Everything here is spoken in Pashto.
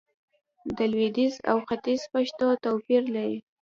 د لويديځ او ختيځ پښتو توپير لري